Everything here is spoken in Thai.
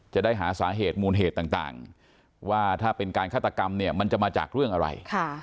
จะได้หาสาเหตุมูลเหตุต่างว่าถ้าเป็นการฆาตกรรมเนี่ยมันจะมาจากเรื่องอะไร